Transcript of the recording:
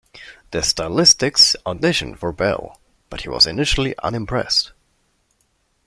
The Stylistics auditioned for Bell, but he was initially unimpressed.